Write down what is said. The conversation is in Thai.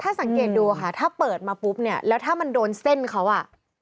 ถ้าสังเกตดูค่ะถ้าเปิดมาปุ๊บแล้วถ้ามันโดนเส้นเขา